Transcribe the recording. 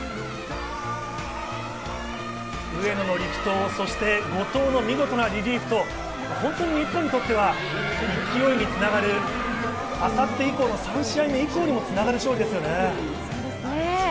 上野の力投、そして後藤の見事なリリーフと本当に日本にとっては勢いにつながる、あさって以降の３試合目以降にもつながる勝利ですよね。